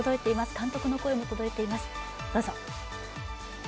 監督の声も届いています。